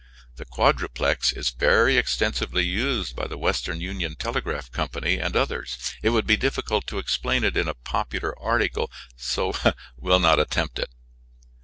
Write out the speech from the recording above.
The quadruplex is very extensively used by the Western Union Telegraph Company and others. It would be difficult to explain it in a popular article, so we will not attempt it.